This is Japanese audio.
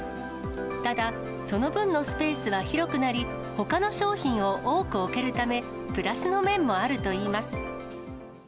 ただ、その分のスペースは広くなり、ほかの商品を多く置けるため、プラスの面もあるといいます。